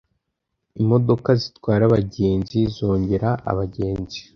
imodoka zitwara abagenzi zongera abagenzi